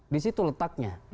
di situ letaknya